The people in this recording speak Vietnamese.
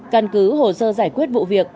căn cứ hồ sơ giải quyết vụ việc